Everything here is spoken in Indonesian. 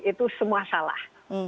itu semua salah